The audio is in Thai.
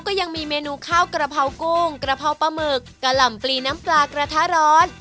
ก็ยังมีเมนูข้าวกระเพรากุ้งกระเพราปลาหมึกกะหล่ำปลีน้ำปลากระทะร้อน